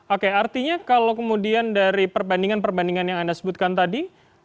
oke artinya kalau kemudian dari perbandingan perbandingan yang anda sebutkan tadi